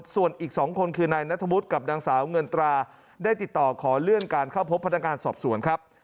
ส่วนอีก๒คนคือนายนัทวุฒิกับนางสาวเงินตราได้ติดต่อขอเลื่อนการเข้าพบพนักงานสอบสวนครับ